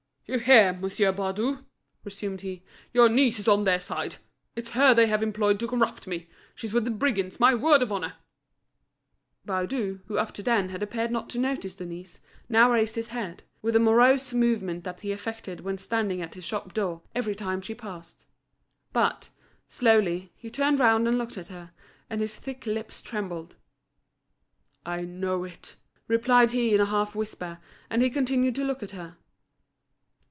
"You hear. Monsieur Baudu," resumed he, "your niece is on their side, it's her they have employed to corrupt me. She's with the brigands, my word of honour!" Baudu, who up to then had appeared not to notice Denise, now raised his head, with the morose movement that he affected when standing at his shop door, every time she passed. But, slowly, he turned round and looked at her, and his thick lips trembled. "I know it," replied he in a half whisper, and he continued to look at her.